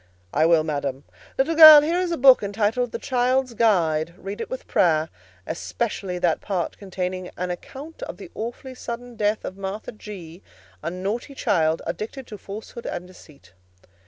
"I will, madam. Little girl, here is a book entitled the 'Child's Guide'; read it with prayer, especially that part containing 'An account of the awfully sudden death of Martha G——, a naughty child addicted to falsehood and deceit.